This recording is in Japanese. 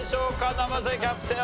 生瀬キャプテン